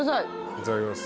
いただきます。